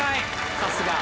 さすが。